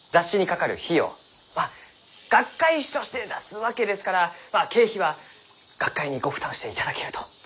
まあ学会誌として出すわけですからまあ経費は学会にご負担していただけると。